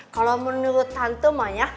kalo menurut tante mah ya